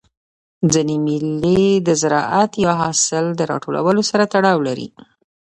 ځيني مېلې د زراعت یا حاصل د راټولولو سره تړاو لري.